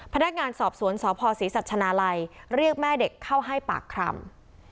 พนักงานสอบสวนสพศรีสัชนาลัยเรียกแม่เด็กเข้าให้ปากคำ